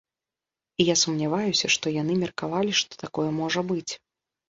І я сумняваюся, што яны меркавалі, што такое можа быць.